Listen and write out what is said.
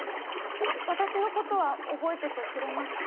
私のことは覚えててくれますか？